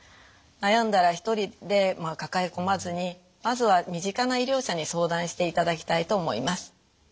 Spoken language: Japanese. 悩んだら１人で抱え込まずにまずは身近な医療者に相談していただきたいと思います。